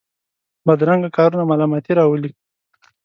بدرنګه کارونه ملامتۍ راولي